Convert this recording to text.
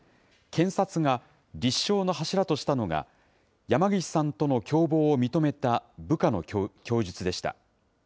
検察が、立証の柱としたのが、山岸さんとの共謀を認めた部下の供述でした。